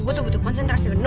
gue tuh butuh konsentrasi penuh